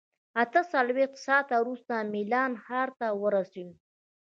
اته څلوېښت ساعته وروسته میلان ښار ته ورسېدو.